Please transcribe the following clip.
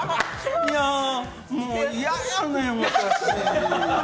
もう嫌やねん、私。